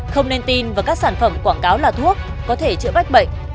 không nên tin vào các sản phẩm quảng cáo là thuốc có thể chữa bách bệnh